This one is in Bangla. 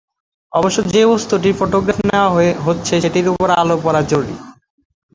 অবশ্য যে বস্তুটির ফটোগ্রাফ নেওয়া হচ্ছে, সেটির উপর আলো পড়া জরুরি।